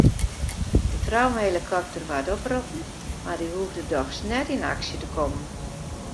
De traumahelikopter waard oproppen mar dy hoegde dochs net yn aksje te kommen.